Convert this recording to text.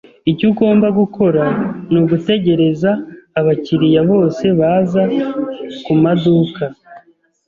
Icyo ugomba gukora ni ugutegereza abakiriya bose baza kumaduka.